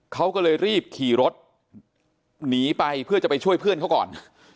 เขาก็เลยรีบขี่รถหนีไปเพื่อจะไปช่วยเพื่อนเขาก่อน